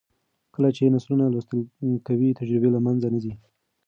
کله چې نسلونه لوستل کوي، تجربې له منځه نه ځي.